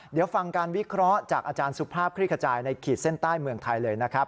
เดี๋ยวฟังการวิเคราะห์จากอาจารย์สุภาพคลิกขจายในขีดเส้นใต้เมืองไทยเลยนะครับ